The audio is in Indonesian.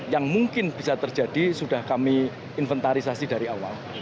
yang mungkin bisa terjadi sudah kami inventarisasi dari awal